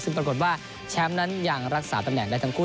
ซึ่งปรากฏว่าแชมป์นั้นยังรักษาตำแหน่งได้ทั้งคู่